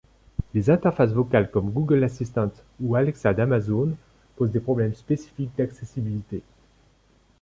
Les interfaces vocales comme Google Assistant ou Alexa d'Amazon posent des problèmes spécifiques d'accessibilité.